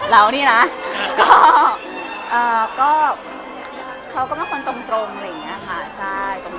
แล้วนี่นะก็เอ่อก็เขาก็เป็นคนตรงอะไรอย่างเงี้ยค่ะใช่